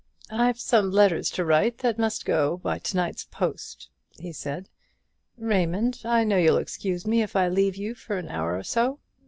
"I've some letters to write that must go by to night's post," he said. "Raymond, I know you'll excuse me if I leave you for an hour or so.